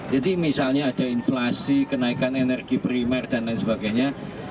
jadi misalnya ada inflasi kenaikan energi primer dan lain sebagainya